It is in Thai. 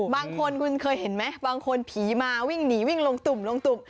บางคนคุณเคยเห็นไหมบางคนผีมาวิ่งหนีวิ่งลงตุ่มลงตุ่ม